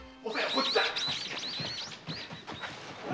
こっちだ！